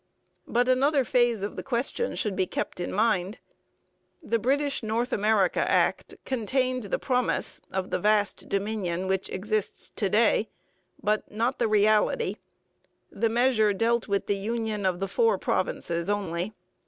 But another phase of the question should be kept in mind. The British North America Act contained the promise of the vast Dominion which exists to day, but not the reality. The measure dealt with the union of the four provinces only.